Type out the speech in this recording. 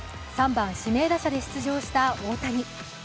３番・指名打者で出場した大谷。